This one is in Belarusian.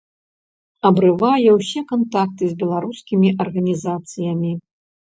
Абрывае ўсе кантакты з беларускімі арганізацыямі.